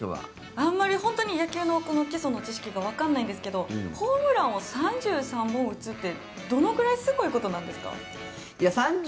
あんまり野球の基礎の知識がわからないんですけどホームランを３３本打つってどのぐらいすごいことなんですか？